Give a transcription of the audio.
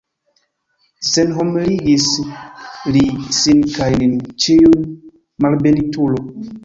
Senhonorigis li sin kaj nin ĉiujn, malbenitulo!